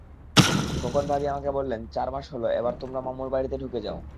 খোকন ভাবি আমাকে বললেন, চার মাস হলো, এবার তোমরা মামুর বাড়িতে ঢুকে যাও।